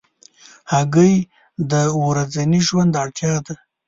هګۍ د ورځني ژوند اړتیا ده.